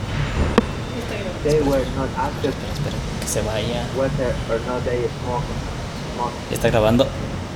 They were not asked whether or not they smoked.